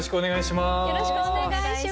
よろしくお願いします。